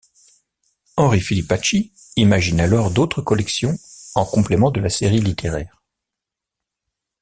Henri Filipacchi imagine alors d’autres collections en complément de la série littéraire.